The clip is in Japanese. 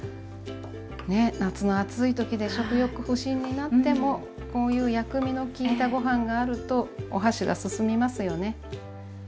ね夏の暑い時で食欲不振になってもこういう薬味の利いたご飯があるとお箸が進みますよね。